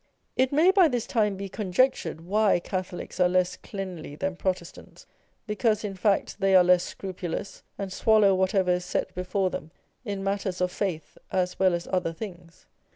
It may by this time be conjectured why Catholics are less cleanly than Protestants, because in fact they are less scrupulous, and swallow whatever is set before tliem in matters of faith as well as other tilings.